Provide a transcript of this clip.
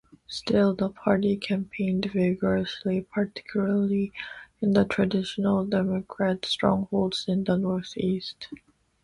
Still, the party campaigned vigorously, particularly in the traditional Democrat strongholds in the northeast.